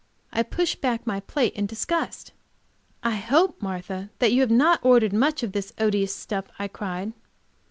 I pushed back my plate in disgust. "I hope, Martha, that you have not ordered much of this odious stuff!" I cried.